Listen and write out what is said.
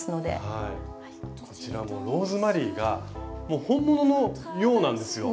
はいこちらもローズマリーがもう本物のようなんですよ！ね！